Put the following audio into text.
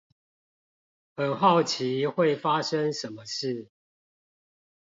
很好奇會發生什麼事